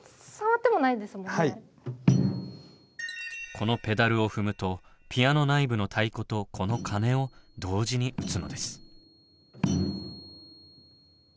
このペダルを踏むとピアノ内部の太鼓とこの鐘を同時に打つのです。